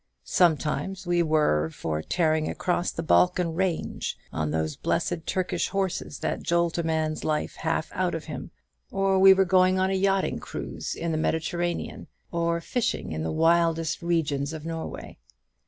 Sometimes we were for tearing across the Balkan range, on those blessed Turkish horses, that jolt a man's life half out of him; or we were going on a yachting cruise in the Mediterranean; or fishing in the wildest regions of Norway.